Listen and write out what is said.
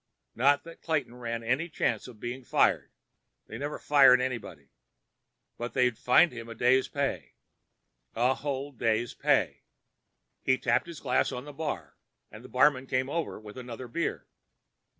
Not that Clayton ran any chance of being fired; they never fired anybody. But they'd fined him a day's pay. A whole day's pay. He tapped his glass on the bar, and the barman came over with another beer.